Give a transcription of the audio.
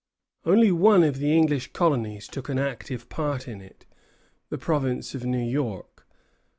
Only one of the English colonies took an active part in it, the province of New York.